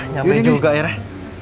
nyampe juga airnya